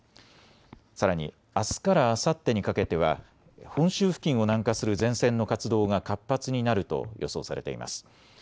さらに、あすからあさってにかけては本州付近を南下する前線の活動が活発になると予想されています。